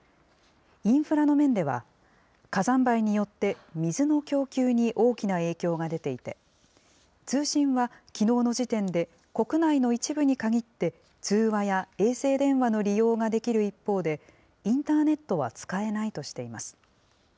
インフラの面では、火山灰によって水の供給に大きな影響が出ていて、通信はきのうの時点で、国内の一部に限って、通話や衛星電話の利用ができる一方で、インターネットは使えないとしています。